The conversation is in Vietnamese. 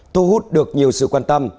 thu hút được nhiều sự quan tâm